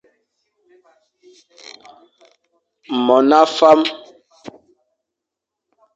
Mon a fam.